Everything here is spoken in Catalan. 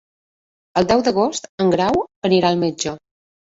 El deu d'agost en Grau anirà al metge.